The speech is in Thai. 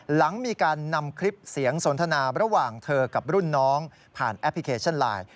หลังมีการนำคลิปเสียงสนทนาระหว่างเธอกับรุ่นน้องผ่านแอปพลิเคชันไลน์